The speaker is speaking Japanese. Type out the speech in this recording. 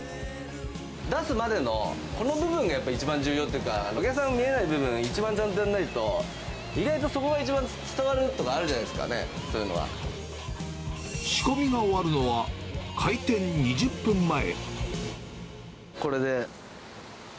出すまでのこの部分が一番重要というか、お客さん見えない部分、一番ちゃんとやんないと、意外とそこが一番伝わるところあるんじゃないですかね、そういう仕込みが終わるのは、開店２０分前。